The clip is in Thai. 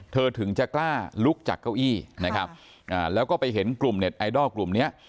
ถึงจะกล้าลุกจากเก้าอี้นะครับอ่าแล้วก็ไปเห็นกลุ่มเน็ตไอดอลกลุ่มเนี้ย